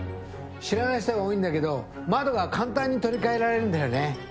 知らない人が多いんだけど窓が簡単に取り替えられるんだよね。